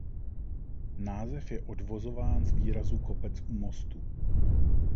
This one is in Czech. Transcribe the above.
Název je odvozován z výrazu „kopec u mostu“.